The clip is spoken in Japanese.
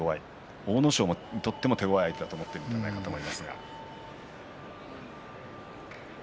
阿武咲にとっても手ごわい相手だと思ってるんじゃないでしょうか。